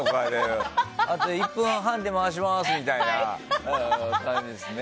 あと１分半で回しますみたいな感じですよね。